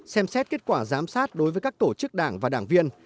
xem xét kết quả giám sát đối với các tổ chức đảng và đảng viên